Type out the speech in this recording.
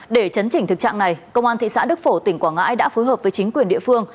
để chấn chỉnh thực trạng này công an thị xã đức phổ tỉnh quảng ngãi đã phối hợp với chính quyền địa phương